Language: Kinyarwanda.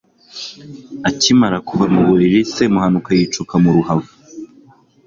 akimara kuva mu buriri, semuhanuka yicoka mu ruhavu